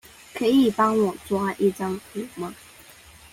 可以幫我抓一張圖嗎？